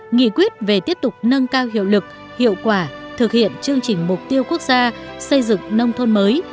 nghị quyết về tiếp tục nâng cao hiệu lực hiệu quả thực hiện chương trình mục tiêu quốc gia xây dựng nông thôn mới